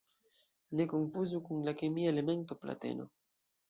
Ne konfuzu kun la kemia elemento plateno.